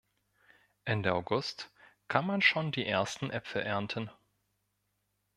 Ende August kann man schon die ersten Äpfel ernten.